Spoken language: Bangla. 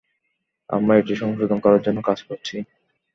আমরা এটি সংশোধন করার জন্য কাজ করছি।